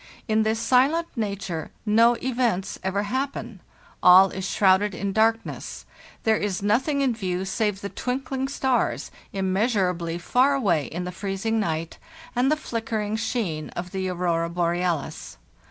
In this silent nature no events ever happen; all is shrouded in darkness; there is nothing in view save the twinkling stars, immeasurably far away in the freezing night, and the flickering sheen of the aurora borealis.